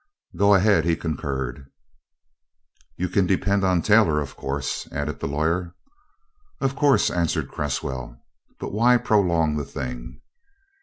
"Go ahead," he concurred. "You can depend on Taylor, of course?" added the lawyer. "Of course," answered Cresswell. "But why prolong the thing?"